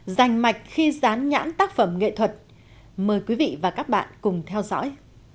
dành mạch khi dán nhãn tác phẩm nghệ thuật mời quý vị và các bạn cùng theo dõi